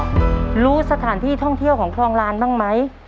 รู้สถานที่ท่องเที่ยวของคลองลานบ้างไหม